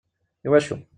I wacu?